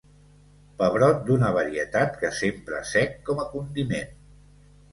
Pebrot d'una varietat que s'empra sec com a condiment.